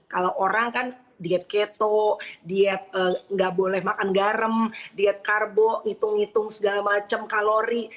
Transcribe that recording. kalau orang kan diet keto diet nggak boleh makan garam diet karbo ngitung ngitung segala macam kalori